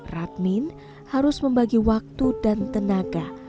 radmin harus membagi waktu dan tenaga